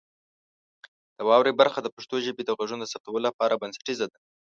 د واورئ برخه د پښتو ژبې د غږونو د ثبتولو لپاره بنسټیزه ده.